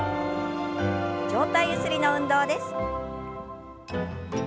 上体ゆすりの運動です。